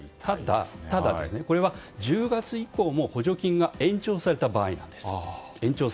ただ、これは１０月以降も補助金が延長された場合なんです。